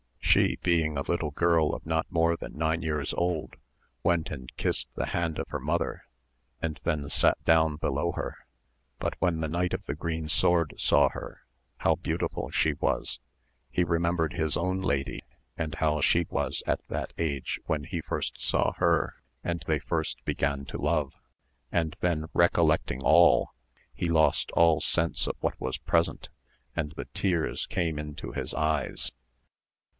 She being a little girl of not more than nine years old went and kissed the hand of her mother and then sat down below her. But when ,the Knight of the Green Sword saw her how beautiful she was, he remembered his own lady, and how she was of that age when he first saw her, and they first began to love, and then recollecting all, he lost all sense of what was present, and the tears came into his eyes.